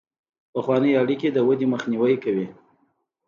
پخوانۍ اړیکې د ودې مخنیوی کوي.